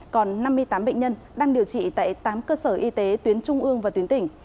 còn năm mươi tám bệnh nhân đang điều trị tại tám cơ sở y tế tuyến trung ương và tuyến tỉnh